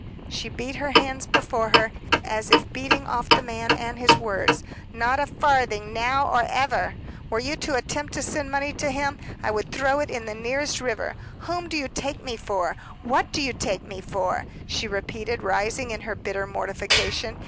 She beat her hands before her, as if beating off the man and his words. "Not a farthing, now or ever. Were you to attempt to send money to him, I would throw it into the nearest river. Whom do you take me for? What do you take me for?" she repeated, rising in her bitter mortification.